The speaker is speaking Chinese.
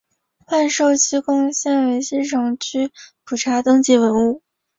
万寿西宫现为西城区普查登记文物。